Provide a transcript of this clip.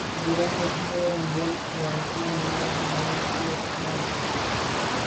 Durante la Segunda Guerra Mundial trabajó en la base naval de Portsmouth.